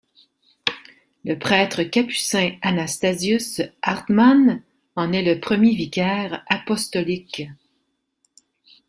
Le prêtre capucin Anastasius Hartmann en est le premier vicaire apostolique.